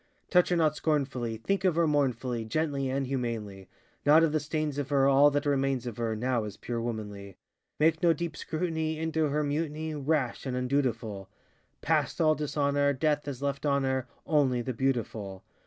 Touch her not scornfully; Think of her mournfully, Gently and humanly; Not of the stains of her, All that remains of her Now is pure womanly. Make no deep scrutiny Into her mutiny Rash and undutiful; Past all dishonor, Death has left on her Only the beautiful.